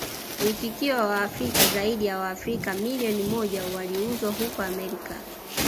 Mwitikio wa Waafrika Zaidi ya Waafrika milioni moja waliuzwa huko Amerika